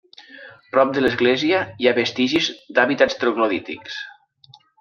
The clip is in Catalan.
Prop de l'església hi ha vestigis d'hàbitats troglodítics.